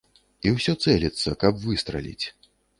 І ўсё цэліцца, каб выстраліць.